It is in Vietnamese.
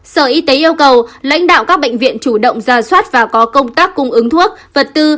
sở y tế yêu cầu lãnh đạo các bệnh viện chủ động ra soát và có công tác cung ứng thuốc vật tư